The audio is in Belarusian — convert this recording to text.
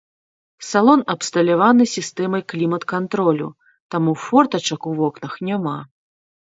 Салон абсталяваны сістэмай клімат-кантролю, таму фортачак ў вокнах няма.